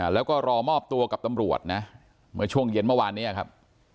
แล้วก็รอมอบตัวกับตำรวจนะเมื่อช่วงเย็นเมื่อวานนี้ครับ